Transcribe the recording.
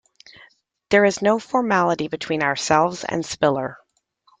There is no formality between ourselves and Spiller.